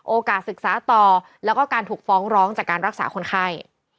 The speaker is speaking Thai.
ศึกษาต่อแล้วก็การถูกฟ้องร้องจากการรักษาคนไข้